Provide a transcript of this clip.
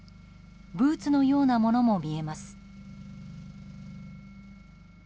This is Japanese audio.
ブーツのようなものも見えます。